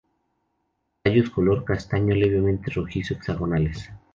Tallos color castaño levemente rojizo, hexagonales.